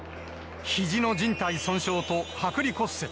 ひじのじん帯損傷と、剥離骨折。